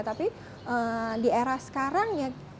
tapi di era sekarang